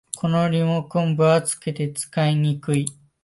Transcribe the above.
このリモコンは分厚くて使いにくい